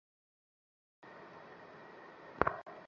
সকলের চেয়ে তাহার ভালো লাগিতেছিল এ বাড়ির মেয়ে সুজাতাকে।